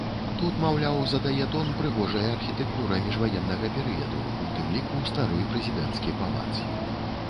Тут, маўляў, задае тон прыгожая архітэктура міжваеннага перыяду, у тым ліку стары прэзідэнцкі палац.